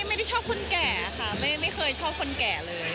ไม่ได้ชอบคนแก่ค่ะไม่เคยชอบคนแก่เลย